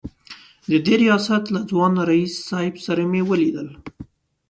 د دې ریاست له ځوان رییس صیب سره مې ولیدل.